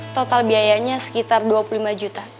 total biayanya sekitar dua puluh lima juta